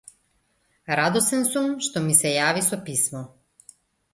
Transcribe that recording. Радосен сум што ми се јави со писмо.